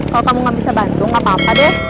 kalau kamu gak bisa bantu gak apa apa deh